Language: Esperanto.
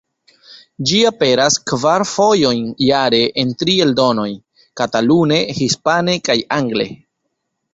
Ĝi aperas kvar fojon jare en tri eldonoj: katalune, hispane kaj angle.